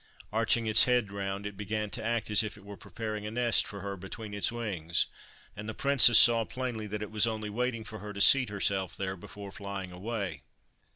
Arching its head round, it began to act as if it were preparing a nest for her between 167 THE FIRE BIRD its wings, and the Princess saw plainly that it was only waiting for her to seat herself there before flying away.